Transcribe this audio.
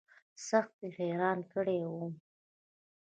سخت يې حيران کړى وم.